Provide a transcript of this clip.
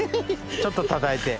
ちょっとたたいて。